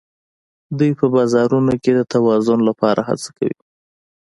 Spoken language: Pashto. دوی په بازارونو کې د توازن لپاره هڅه کوي